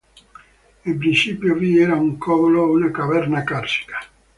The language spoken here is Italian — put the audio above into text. In principio vi era un covolo, una caverna carsica.